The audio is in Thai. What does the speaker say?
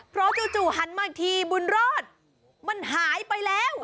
เพราะจู่หันมาอีกทีบุญรอดมันหายไปแล้ว